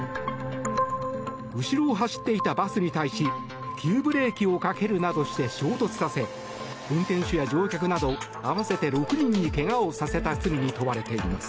後ろを走っていたバスに対し急ブレーキをかけるなどして衝突させ運転手や乗客など合わせて６人にけがをさせた罪に問われています。